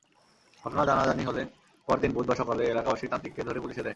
ঘটনা জানাজানি হলে পরদিন বুধবার সকালে এলাকাবাসী তান্ত্রিককে ধরে পুলিশ দেয়।